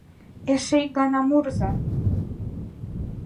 — Эше ик гана мурыза!